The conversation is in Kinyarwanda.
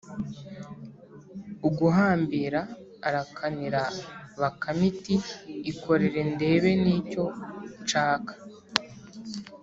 Uguhambira arakanira bakame iti ikorere ndebe ni cyo nshaka